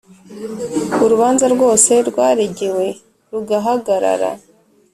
Urubanza rwose rwaregewe rugahagarara